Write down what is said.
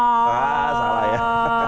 ah salah ya